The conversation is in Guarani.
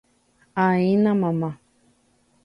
Áina mamá